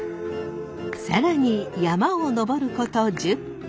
更に山を登ること１０分。